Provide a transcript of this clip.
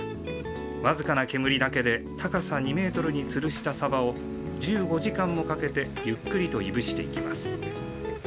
僅かな煙だけで、高さ２メートルにつるしたサバを１５時間もかけてゆっくりといぶしていきます。